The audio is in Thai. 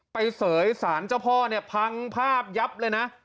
เสยสารเจ้าพ่อเนี่ยพังภาพยับเลยนะ